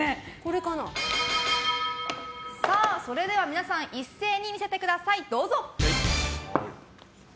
それでは皆さん一斉に見せてください。